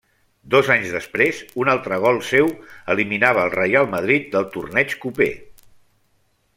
Dos anys després, un altre gol seu eliminava al Reial Madrid del torneig coper.